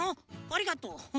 ありがとう。